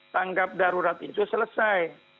tanggap darurat itu selesai